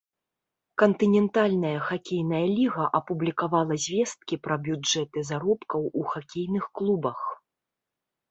Кантынентальная хакейная ліга апублікавала звесткі пра бюджэты заробкаў у хакейных клубах.